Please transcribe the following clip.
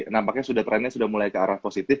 nampaknya sudah trendnya sudah mulai ke arah positif